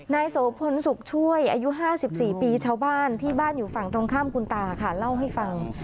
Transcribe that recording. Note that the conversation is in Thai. โสพลสุขช่วยอายุ๕๔ปีชาวบ้านที่บ้านอยู่ฝั่งตรงข้ามคุณตาค่ะเล่าให้ฟัง